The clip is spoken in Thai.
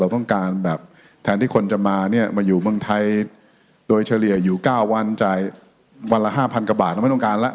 ต้องการแบบแทนที่คนจะมาเนี่ยมาอยู่เมืองไทยโดยเฉลี่ยอยู่๙วันจ่ายวันละห้าพันกว่าบาทเราไม่ต้องการแล้ว